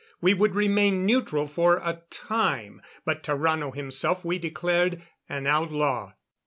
We would remain neutral for a time. But Tarrano himself we declared an outlaw.